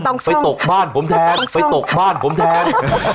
ไปตกบ้านผมแทนไปตกบ้านผมแทน